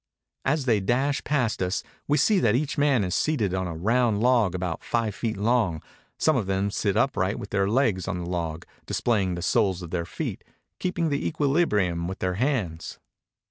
As they dash past us, we see that each man is seated on a round log about five feet long; some of them sit upright with their legs on the log, displaying the soles of their feet, keeping the equilib rium with their hands.